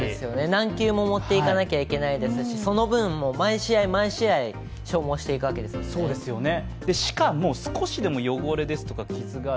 何球も持っていかなきゃいけないですし、その分、毎試合、毎試合、消耗していくわけですもんね。